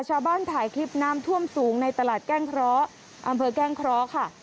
ชาวบ้านถ่ายคลิปน้ำท่วมสูงในตลาดแก้งเคราะห์อำเภอแก้งเคราะห์ค่ะ